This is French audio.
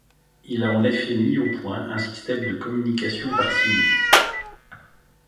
Il a en effet mis au point un système de communication par signes…